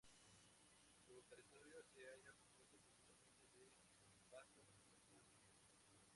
Su territorio se haya compuesto principalmente de vastas planicies.